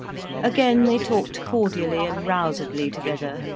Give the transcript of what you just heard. Again they talked cordially and rousedly together.